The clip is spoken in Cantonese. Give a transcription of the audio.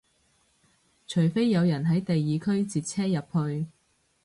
除非有人喺第二區截車入去